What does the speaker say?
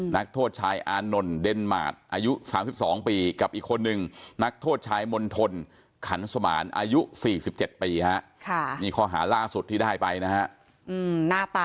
นักโทษชายอานนท์เดนมาร์ตอายุ๓๒ปีกับอีกคนนึงนักโทษชายมณฑลขันสมานอายุ๔๗ปีฮะ